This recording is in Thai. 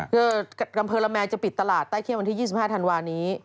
เพื่ออำเภอละแมนจะปิดตลาดใต้เขี้ยวันที่๒๕ธันวานี้